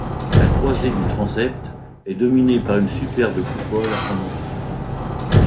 La croisée du transept est dominée par une superbe coupole à pendentifs.